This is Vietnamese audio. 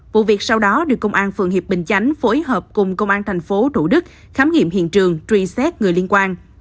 vụ việc sau đó được công an phường hiệp bình chánh phối hợp cùng công an tp thủ đức khám nghiệm hiện trường truy xét người liên quan